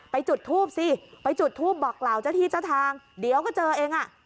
จุดทูปสิไปจุดทูปบอกกล่าวเจ้าที่เจ้าทางเดี๋ยวก็เจอเองอ่ะ